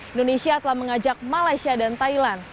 indonesia telah mengajak malaysia dan thailand